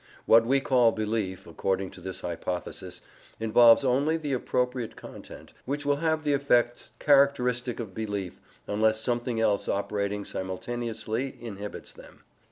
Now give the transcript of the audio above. What we call belief, according to this hypothesis, involves only the appropriate content, which will have the effects characteristic of belief unless something else operating simultaneously inhibits them.